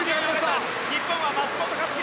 日本は松元克央